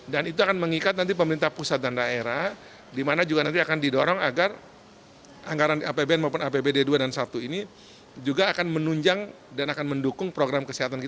dan itu akan mengikat nanti pemerintah pusat dan daerah di mana juga nanti akan didorong agar anggaran apbn maupun apbd dua dan satu ini juga akan menunjang dan akan mendukung program kesehatan